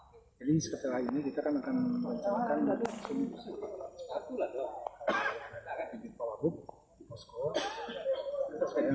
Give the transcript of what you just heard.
jadi seketelah ini kita akan menelanjakan sumber daya